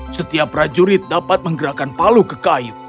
setiap prajurit dapat menggerakkan palu ke kayu